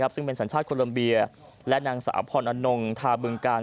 ซึ่งเป็นสัญชาติโคลัมเบียและนางสาวพรอนงทาบึงกาล